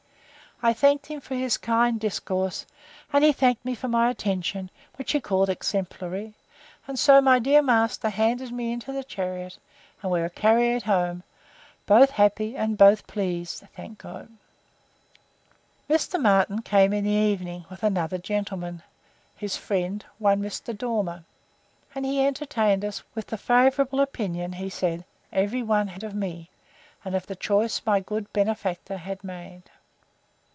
I thanked him for his kind discourse; and he thanked me for my attention, which he called exemplary: and so my dear master handed me into the chariot; and we were carried home, both happy, and both pleased, thank God. Mr. Martin came in the evening, with another gentleman, his friend, one Mr. Dormer; and he entertained us with the favourable opinion, he said, every one had of me, and of the choice my good benefactor had made.